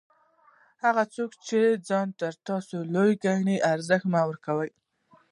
هغه څوک چي ځان تر تاسي لوړ ګڼي؛ ارزښت مه ورکوئ!